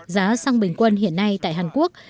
giá sang bình quân hiện nay tại hàn quốc